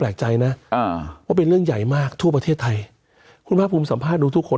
คุณพระบุคคุณสัมภาษณ์ดูทุกคน